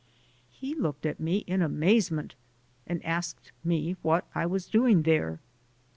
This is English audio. He looked at me in amazement and asked me what I was doing there.